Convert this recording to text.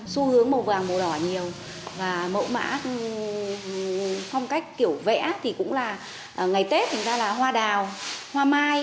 xu hướng màu vàng màu đỏ nhiều và mẫu mã phong cách kiểu vẽ thì cũng là ngày tết thành ra là hoa đào hoa mai